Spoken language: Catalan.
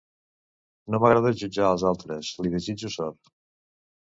No m'agrada jutjar els altres, li desitjo sort.